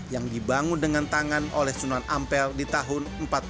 yang dibangun dengan tangan oleh sunan ampel di tahun seribu empat ratus enam puluh